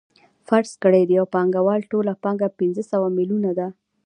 فرض کړئ د یو پانګوال ټوله پانګه پنځه سوه میلیونه ده